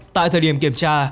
tại thời điểm kiểm tra